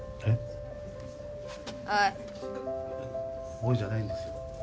・「おい」じゃないんですよ俺？